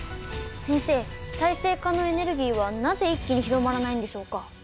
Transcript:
先生再生可能エネルギーはなぜ一気に広まらないんでしょうか？